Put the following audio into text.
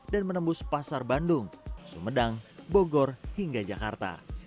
dan menembus pasar bandung sumedang bogor hingga jakarta